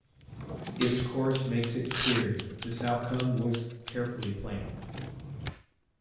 Its course makes it clear that this outcome was carefully planned.